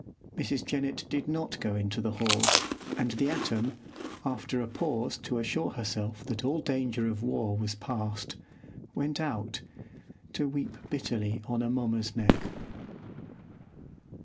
Mrs. Jennett did not go into the hall, and the atom, after a pause to assure herself that all danger of war was past, went out, to weep bitterly on Amomma's neck.